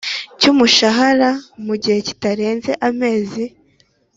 cy umushahara mu gihe kitarenze amezi